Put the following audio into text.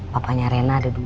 papanya rena ada dua